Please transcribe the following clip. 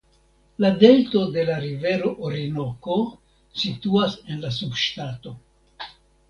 La delto de la rivero Orinoko situas en la subŝtato.